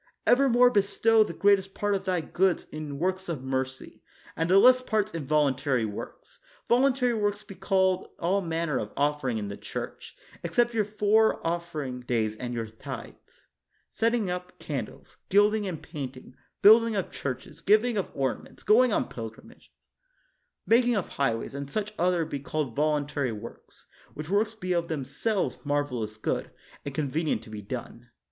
Evermore bestow the greatest part of thy goods in works of mercy, and the less parts in volun tary works. Voluntary works be called all man ner of offering in the church, except your four offering days and your tithes, setting up can dles, gilding and painting, building of churches, giving of ornaments, going on pilgrimages, ma king of highways, and such other be called vol untary works ; which works be of themselves mar velous good, and convenient to be done.